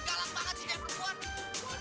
galang banget sih dia yang berkepuan